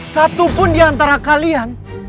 satupun diantara kalian